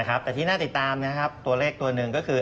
แต่ที่น่าติดตามนะครับตัวเลขตัวหนึ่งก็คือ